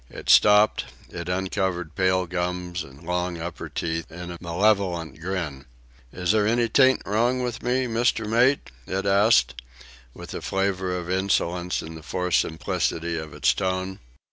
It stopped; it uncovered pale gums and long, upper teeth in a malevolent grin. "Is there any think wrong with me, Mister Mate?" it asked, with a flavour of insolence in the forced simplicity of its tone.